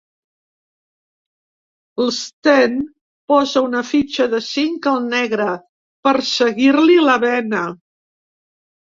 L'Sten posa una fitxa de cinc al negre, per seguir-li la vena.